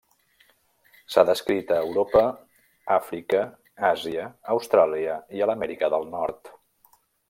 S'ha descrit a Europa, Àfrica, Àsia, Austràlia i a l'Amèrica del Nord.